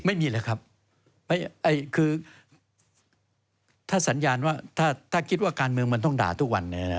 ไม่มีเลยครับคือถ้าสัญญาณว่าถ้าคิดว่าการเมืองมันต้องด่าทุกวัน